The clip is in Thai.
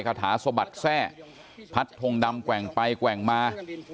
คาถาสะบัดแทร่พัดทงดำแกว่งไปแกว่งมา